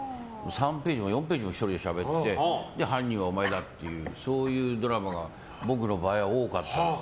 ３ページも４ページも１人でしゃべって犯人はお前だっていうそういうドラマが僕の場合は多かったんです。